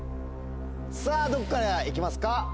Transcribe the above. さぁどっから行きますか？